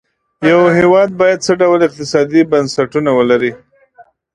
یو هېواد باید څه ډول اقتصادي بنسټونه ولري.